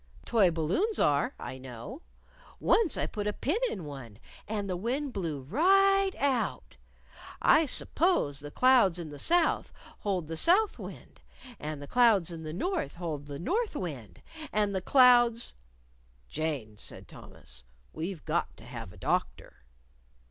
Toy balloons are, I know. Once I put a pin in one, and the wind blew right out. I s'pose the clouds in the South hold the south wind, and the clouds in the North hold the north wind, and the clouds " "Jane," said Thomas, "we've got to have a doctor."